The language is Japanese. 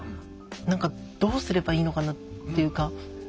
何かどうすればいいのかなっていうか。